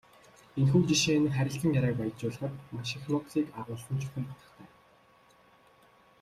Энэхүү жишээ нь харилцааг баяжуулахад маш их нууцыг агуулсан чухал утгатай.